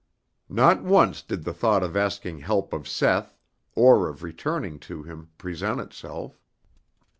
Not once did the thought of asking help of Seth or of returning to him present itself.